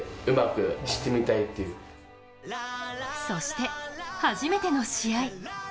そして、初めての試合。